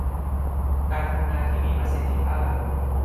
การทำงานที่มีประสิทธิภาพ